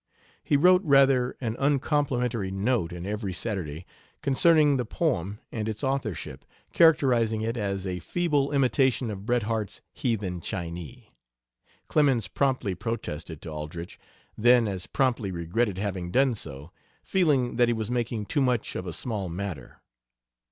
He wrote rather an uncomplimentary note in Every Saturday concerning the poem and its authorship, characterizing it as a feeble imitation of Bret Harte's "Heathen Chinee." Clemens promptly protested to Aldrich, then as promptly regretted having done so, feeling that he was making too much of a small matter.